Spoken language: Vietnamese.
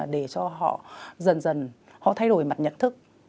để cho họ dần dần họ thay đổi mặt nhận thức